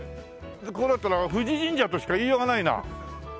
こうなったら富士神社としか言いようがないな。